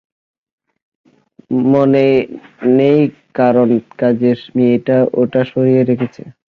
মনে নেই কারণ কাজের মেয়টা ওটা সরিয়ে রেখেছে।